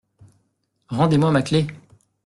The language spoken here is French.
Rendez-moi ma clef !…